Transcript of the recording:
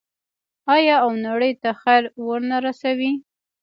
آیا او نړۍ ته خیر ورنه رسوي؟